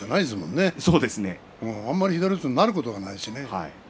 あまり左四つになることないしね。